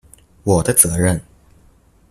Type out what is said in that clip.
我的責任